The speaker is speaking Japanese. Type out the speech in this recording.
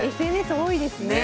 ＳＮＳ多いですね。ね。